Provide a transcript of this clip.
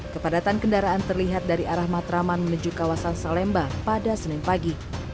kepadatan kendaraan terlihat dari arah matraman menuju kawasan salemba pada senin pagi